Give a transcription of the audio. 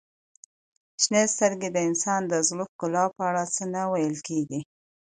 • شنې سترګې د انسان د زړه ښکلا په اړه څه نه ویل کیږي.